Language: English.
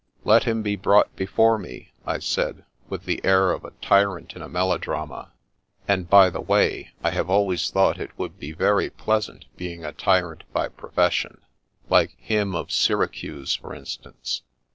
" Let him be brought before me," I said, with the air of a tyrant in a melodrama ; and, by the way, I have always thought it would be very pleasant being a tyrant by profession, like Him of Syracuse, for in stance.